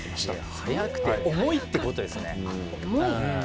速くて重いということですね。